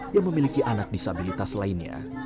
yang memiliki anak disabilitas lainnya